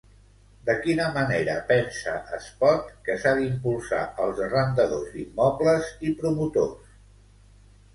De quina manera pensa Espot que s'ha d'impulsar als arrendadors d'immobles i promotors?